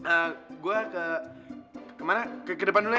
eh gue ke kemana ke depan dulu ya